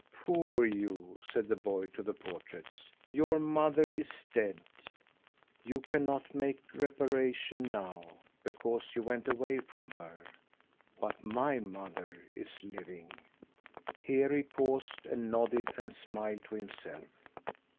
"Poor you!" said the boy to the portraits. "Your mother is dead. You cannot make reparation now, because you went away from her. But my mother is living!" Here he paused, and nodded and smiled to himself.